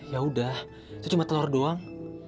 yaudah itu cuma telur doang